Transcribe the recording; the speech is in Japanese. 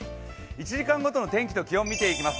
１時間ごとの天気と気温を見ていきます。